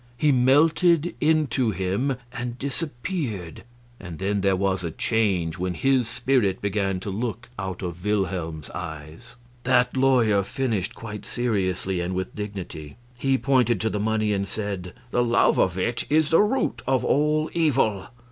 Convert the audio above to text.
He melted into him and disappeared; and then there was a change, when his spirit began to look out of Wilhelm's eyes. That lawyer finished quite seriously, and with dignity. He pointed to the money, and said: "The love of it is the root of all evil.